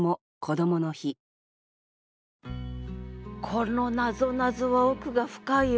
このなぞなぞは奥が深いよ。